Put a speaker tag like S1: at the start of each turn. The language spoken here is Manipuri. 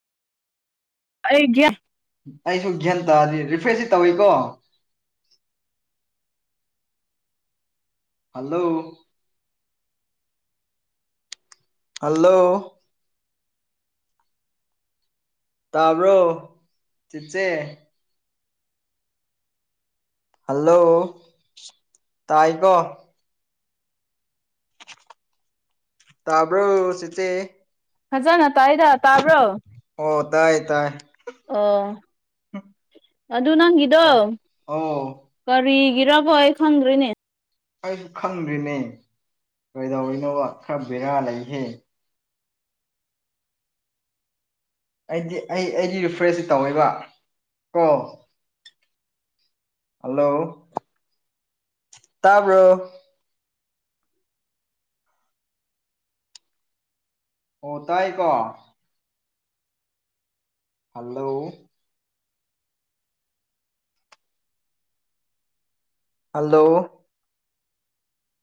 S1: ꯑꯩꯒꯤ [inaudible]
S2: ꯑꯩꯁꯨ ꯒ꯭ꯌꯥꯟ ꯇꯥꯗꯦ ꯔꯤꯐ꯭ꯔꯦꯁꯇ ꯇꯧꯋꯤꯀꯣ ꯍꯜꯂꯣ ꯍꯜꯂꯣ ꯇꯥꯕ꯭ꯔꯣ ꯆꯤꯆꯦ ꯍꯜꯂꯣ ꯇꯥꯏꯀꯣ ꯇꯥꯕ꯭ꯔꯣ ꯆꯤꯆꯦ
S1: ꯐꯖꯅ ꯇꯥꯏꯗ ꯇꯥꯕ꯭ꯔꯣ
S2: ꯑꯣ ꯇꯥꯏ ꯇꯥꯏ
S1: ꯑꯣ ꯑꯗꯨ ꯅꯪꯒꯤꯗꯣ
S2: ꯇꯥꯏ ꯑꯣ
S1: ꯀꯔꯤꯒꯤꯔꯕꯣ ꯑꯩ ꯈꯪꯗ꯭ꯔꯦꯅꯦ
S2: ꯑꯩꯁꯨ ꯈꯪꯗ꯭ꯔꯤꯅꯦ ꯀꯩꯗꯧꯅꯣꯕ ꯈꯔ ꯕꯦꯔꯥ ꯂꯩꯍꯦ ꯑꯩꯗꯤ ꯑꯩ ꯑꯩꯗꯤ ꯔꯤꯐ꯭ꯔꯦꯁꯇ ꯇꯧꯋꯦꯕ ꯀꯣ ꯍꯜꯂꯣ ꯇꯥꯕ꯭ꯔꯣ ꯑꯣ ꯇꯥꯏꯀꯣ ꯍꯜꯂꯣ ꯍꯜꯂꯣ